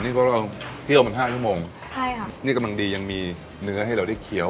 เพราะเราเคี่ยวมันห้าชั่วโมงใช่ครับนี่กำลังดียังมีเนื้อให้เราได้เคี้ยว